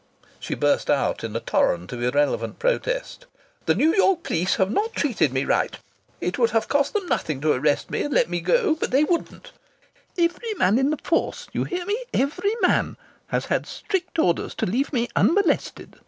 She burst out in a torrent of irrelevant protest: "The New York police have not treated me right. It would have cost them nothing to arrest me and let me go. But they wouldn't. Every man in the force you hear me, every man has had strict orders to leave me unmolested.